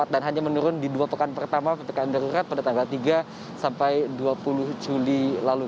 dan hanya menurun di dua pekan pertama ppkm darurat pada tanggal tiga sampai dua puluh juli lalu